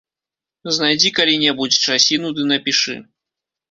Знайдзі калі-небудзь часіну ды напішы.